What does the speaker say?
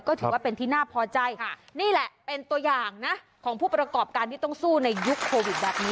ก็ถือว่าเป็นที่น่าพอใจนี่แหละเป็นตัวอย่างนะของผู้ประกอบการที่ต้องสู้ในยุคโควิดแบบนี้